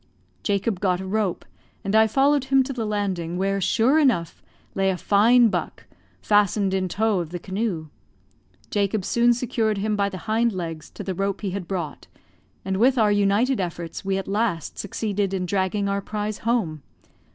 Jacob got a rope, and I followed him to the landing, where, sure enough, lay a fine buck, fastened in tow of the canoe. Jacob soon secured him by the hind legs to the rope he had brought; and, with our united efforts, we at last succeeded in dragging our prize home.